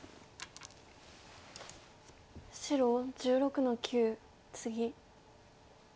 白１６の九ツギ。